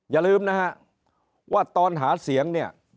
อย่าลืมนะฮะว่าตอนหาเสียง